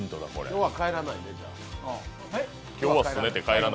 今日は帰らないね、ほな。